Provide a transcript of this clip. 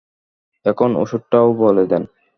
এখন ঔষধটাও বলে দেন।